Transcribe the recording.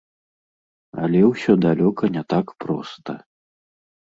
Але ўсё далёка не так проста.